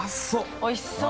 おいしそう。